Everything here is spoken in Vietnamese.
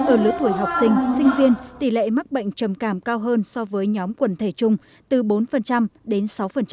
ở lứa tuổi học sinh sinh viên tỷ lệ mắc bệnh trầm cảm cao hơn so với nhóm quần thể chung từ bốn đến sáu